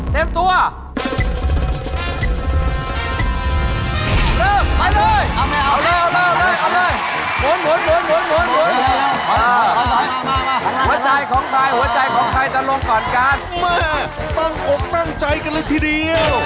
เริ่มไปเลย